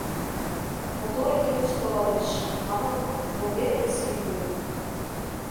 Мотор илыш толалеш...» Манын, вувер изи ӱдыр